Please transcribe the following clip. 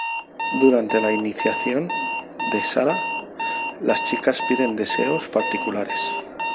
Durante la iniciación de Sarah, las chicas piden deseos particulares.